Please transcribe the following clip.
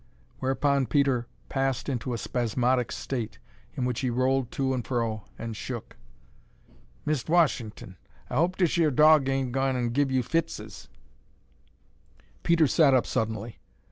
Whereupon Peter passed into a spasmodic state, in which he rolled to and fro and shook. "Mist' Wash'ton, I hope dish yer dog 'ain't gone an' give you fitses?" Peter sat up suddenly.